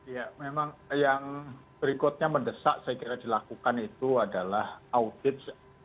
ya memang yang berikutnya mendesak saya kira dilakukan itu adalah audit